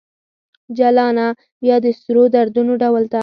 جلانه ! بیا د سرو دردونو ډول ته